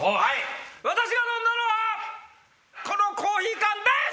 私が飲んだのはこのコーヒー缶です！